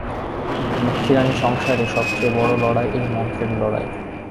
মক্ষীরানী, সংসারে সব চেয়ে বড়ো লড়াই এই মন্ত্রের লড়াই।